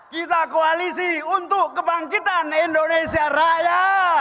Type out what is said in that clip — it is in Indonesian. kita koalisi untuk kebangkitan indonesia raya